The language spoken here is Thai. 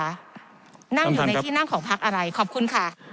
นั่งอยู่ในที่นั่งของพักอะไรขอบคุณค่ะ